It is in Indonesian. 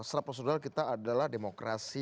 secara prosedural kita adalah demokrasi